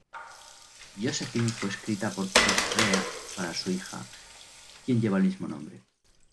Josephine fue escrita por Chris Rea para su hija, quien lleva el mismo nombre.